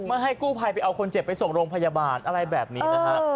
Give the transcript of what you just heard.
ไม่ให้กู้ภัยไปเอาคนเจ็บไปส่งโรงพยาบาลอะไรแบบนี้นะฮะ